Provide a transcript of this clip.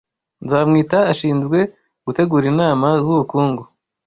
Nzamwita ashinzwe gutegura inama zubukungu